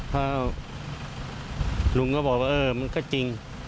พอลุงก็บอกเออมันก็จริง